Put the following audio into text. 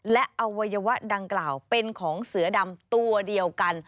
และอวัยวะดังกล่าวเป็นของเสือดำตัวเดียวกัน